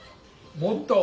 「もっと！」